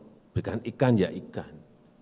diberikan ikan ya ikan